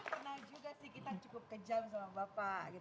kenal juga sih kita cukup kejam sama bapak